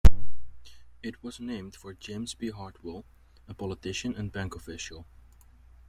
It was named for James B. Heartwell, a politician and bank official.